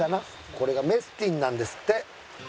これがメスティンなんですって。